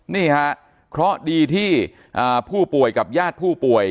นี่ฮะเคราะห์ดีที่ผู้ป่วยกับญาติผู้ป่วย